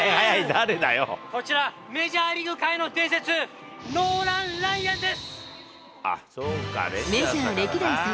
こちら、メジャーリーグ界の伝説、ノーラン・ライアンです。